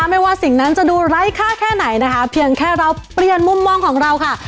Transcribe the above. ไม่ว่าสิ่งนั้นจะดูไร้ค่าแค่ไหนนะคะเพียงแค่เราเปลี่ยนมุมมองของเราค่ะ